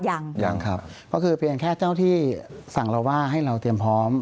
ยังยังครับก็คือเพียงแค่เจ้าที่สั่งเราว่าให้เราเตรียมพร้อม